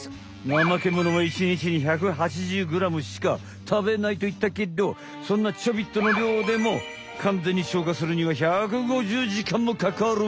ナマケモノは１日に１８０グラムしかたべないといったけどそんなちょびっとの量でもかんぜんに消化するには１５０時間もかかる。